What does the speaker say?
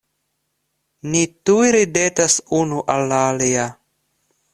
Ni tuj ridetas unu al la alia.